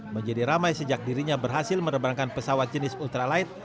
menjadi ramai sejak dirinya berhasil menebangkan pesawat jenis ultralight